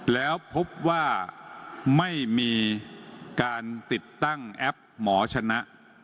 แล้วพบว่าไม่มีการติดตั้งแอปหมอชนะ